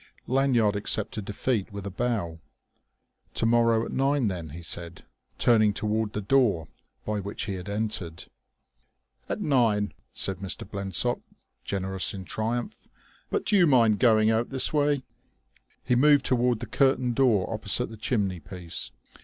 Lanyard accepted defeat with a bow. "To morrow at nine, then," he said, turning toward the door by which he had entered. "At nine," said Mr. Blensop, generous in triumph. "But do you mind going out this way?" He moved toward the curtained door opposite the chimney piece.